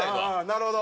なるほど。